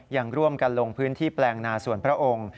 ยังร่วมกันลงพื้นที่แปลงนาส่วนพระองค์